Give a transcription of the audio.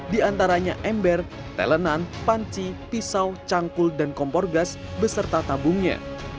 di antaranya ember telenan panci pisau cangkul dan kompor gas beserta tabungnya